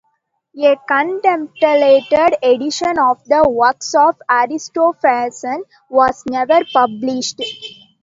A contemplated edition of the works of Aristophanes was never published.